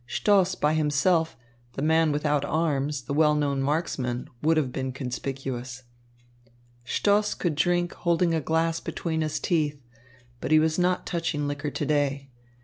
Stoss by himself, the man without arms, the well known marksman, would have been conspicuous. Stoss could drink holding a glass between his teeth; but he was not touching liquor to day.